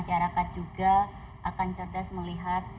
dan tentu masyarakat juga akan cerdas melihat